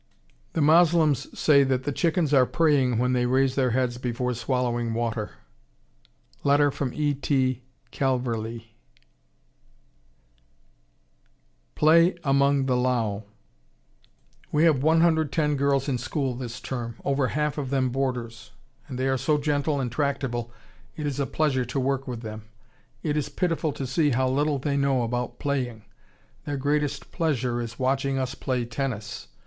The Moslems say that the chickens are praying when they raise their heads before swallowing water. (Letter from E. T. Calverley.) [Illustration: THE MERRY GO ROUND AT AN ARAB FAIR] PLAY, AMONG THE LAO We have 110 girls in school this term, over half of them boarders, and they are so gentle and tractable it is a pleasure to work with them. It is pitiful to see how little they know about playing. Their greatest pleasure is watching us play tennis.